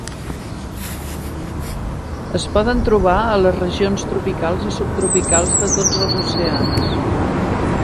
Es poden trobar a les regions tropicals i subtropicals de tots els oceans.